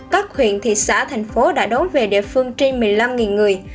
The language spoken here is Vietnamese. các huyện thị xã thành phố đã đấu về địa phương trên một mươi năm người